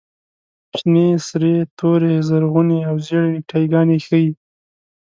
شنې، سرې، تورې، زرغونې او زېړې نیکټایي ګانې ښیي.